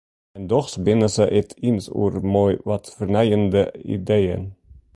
En dochs binne se it iens oer moai wat fernijende ideeën.